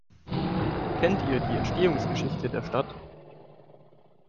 Kennt ihr die Entstehungsgeschichte der Stadt?